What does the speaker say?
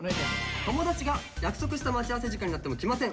友達が約束した待ち合わせ時間になっても来ません。